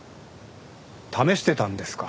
試してたんですか？